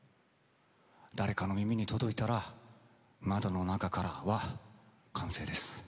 誰かの耳に届いたら「窓の中から」は完成です。